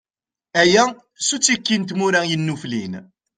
Aya, s uttiki n tmura yennuflin.